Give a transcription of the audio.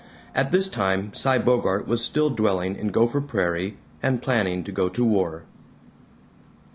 At this time Cy Bogart was still dwelling in Gopher Prairie and planning to go to war.